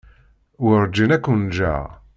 Werǧin ad kent-ǧǧeɣ.